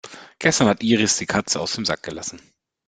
Gestern hat Iris die Katze aus dem Sack gelassen.